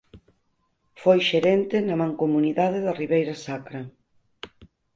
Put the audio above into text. Foi xerente na Mancomunidade da Ribeira Sacra.